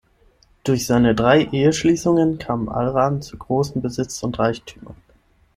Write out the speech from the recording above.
Durch seine drei Eheschließungen kam Alram zu großen Besitz- und Reichtümern.